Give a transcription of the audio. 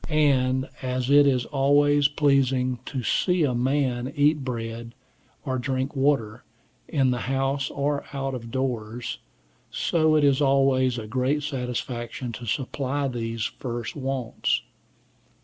And as it is always pleasing to see a man eat bread, or drink water, in the house or out of doors, so it is always a great satisfaction to supply these first wants.